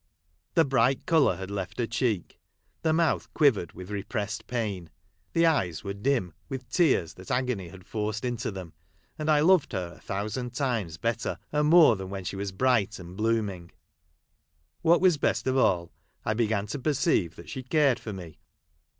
The bright colour had left her cheek ; the mouth quivered Avith repressed pain, the eyes AVere dim vvith tears that agony had forced into them ; and I loved her a thou sand times better and more than Avheu she was bright and blooming ! What Avas best of all, I began to perceive that she cared for me.